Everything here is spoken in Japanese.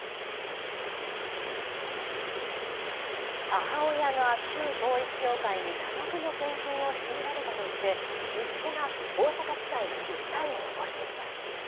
母親が旧統一教会に多額の献金を強いられたとして息子が大阪地裁に訴えを起こしています。